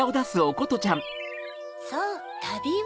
そうたびを。